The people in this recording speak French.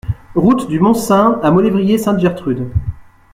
Route du Mont Saint à Maulévrier-Sainte-Gertrude